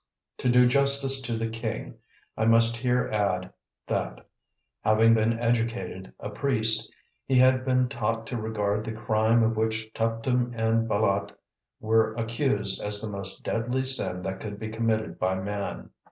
To do justice to the king, I must here add that, having been educated a priest, he had been taught to regard the crime of which Tuptim and Bâlât were accused as the most deadly sin that could be committed by man.